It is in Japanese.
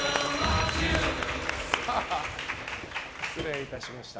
失礼いたしました。